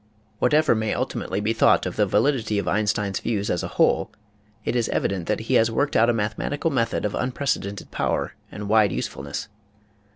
Whatever may ultimately be thought of the validity of Einstein's views as a whole it is evident that he has worked out a mathematical method of unprecedented power and wide usefulness.